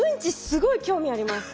すごい興味あります。